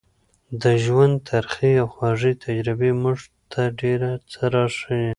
د ژوند ترخې او خوږې تجربې موږ ته ډېر څه راښيي.